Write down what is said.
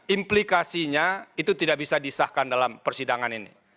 implikasinya itu tidak bisa disahkan dalam persidangan ini